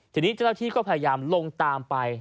ทีนี้เจ้าหน้าที่ก็พยายามลงตามไป